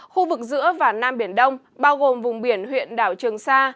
khu vực giữa và nam biển đông bao gồm vùng biển huyện đảo trường sa